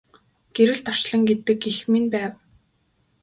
Гэрэлт орчлон гэдэг эх минь байв.